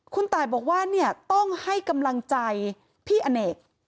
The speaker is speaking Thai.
คุณตายบอกว่าเนี่ยต้องให้กำลังใจพี่อเนก